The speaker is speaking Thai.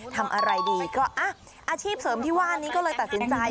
ทำอะไรดีก็อาชีพเสริมที่ว่านี้ก็เลยตัดสินใจ